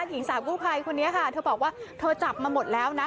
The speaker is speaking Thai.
หญิงสาวกู้ภัยคนนี้ค่ะเธอบอกว่าเธอจับมาหมดแล้วนะ